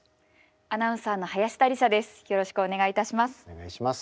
アナウンサーの林田理沙です。